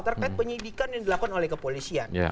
terkait penyidikan yang dilakukan oleh kepolisian